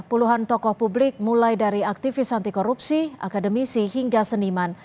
puluhan tokoh publik mulai dari aktivis anti korupsi akademisi hingga seniman